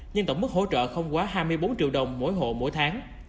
nhưng tổng mức hỗ trợ không quá hai mươi bốn triệu đồng mỗi hộ mỗi tháng